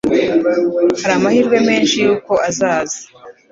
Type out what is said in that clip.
Hari amahirwe menshi yuko azaza.